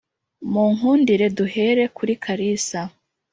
munkundire duhere kuri kalisa